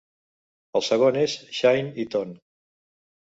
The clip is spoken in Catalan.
El segon és "Shine It On".